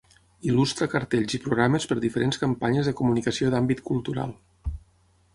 Il·lustra cartells i programes per diferents campanyes de comunicació d’àmbit cultural.